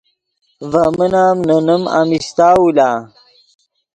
ڤے من ام نے نیم امیشتاؤ لا